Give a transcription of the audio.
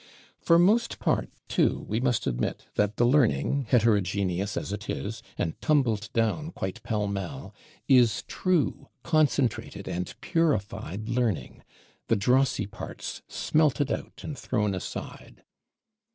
For most part, too, we must admit that the Learning, heterogeneous as it is, and tumbled down quite pell mell, is true, concentrated and purified Learning, the drossy parts smelted out and thrown aside.